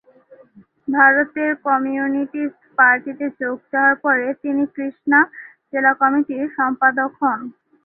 ভারতের কমিউনিস্ট পার্টিতে যোগ দেওয়ার পরে তিনি কৃষ্ণা জেলা কমিটির সম্পাদক হন।